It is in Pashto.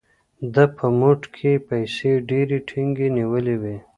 ده په موټ کې پیسې ډېرې ټینګې نیولې وې.